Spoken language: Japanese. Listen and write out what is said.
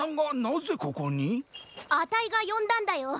あたいがよんだんだよ。